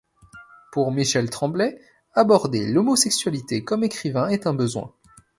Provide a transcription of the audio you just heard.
Pour Michel Tremblay, aborder l'homosexualité comme écrivain est un besoin.